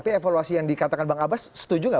tapi evaluasi yang dikatakan bang abbas setuju nggak